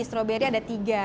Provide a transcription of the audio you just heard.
strawberry ada tiga